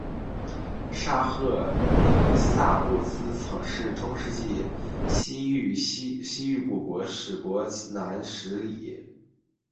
沙赫里萨布兹曾是中世纪西域古国史国南十里。